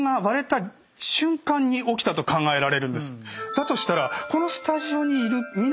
だとしたら。